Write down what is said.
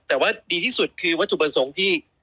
แต่ว่าดีที่สุดคือวัตถุประสงค์ที่